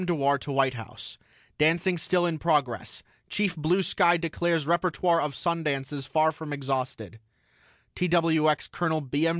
DEWAR TO WHITE HOUSE: DANCING STILL IN PROGRESS CHIEF BLUE SKY DECLARES REPERTOIRE OF SUN DANCES FAR FROM EXHAUSTED TWX COL. B. M.